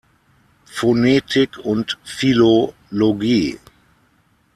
Phonetik und Philologie".